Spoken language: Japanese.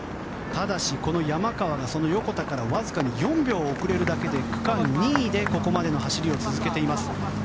ただし、この山川がこの横田からわずかに４秒遅れるだけで区間２位でここまでの走りを続けています。